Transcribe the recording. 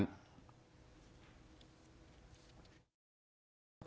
หน้ารู้จับส่วนเหลวสภาพบุหร์เชี่ยวบางนะครับ